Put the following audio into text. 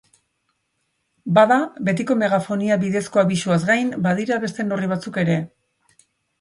Bada, betiko megafonia bidezko abisuaz gain, badira beste neurri batzuk ere.